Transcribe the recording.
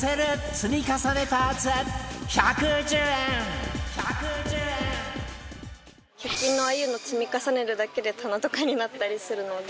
積み重ねパーツ１１０円１００均のああいうの積み重ねるだけで棚とかになったりするので。